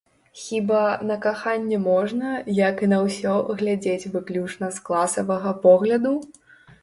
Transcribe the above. Хіба на каханне можна, як і на ўсё, глядзець выключна з класавага погляду?